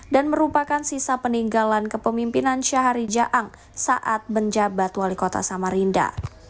dan merupakan sisa peninggalan kepemimpinan syahri jaang saat menjabat wali kota samarinda